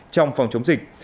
trong phòng chống dịch